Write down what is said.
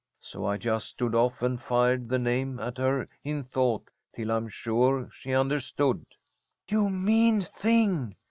So I just stood off and fired the name at her in thought till I'm sure she understood." "You mean thing!"